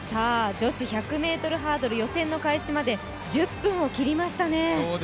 女子１００ｍハードルの予選の開始まで１０分を切りましたね。